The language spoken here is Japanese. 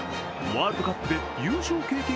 ワールドカップで優勝経験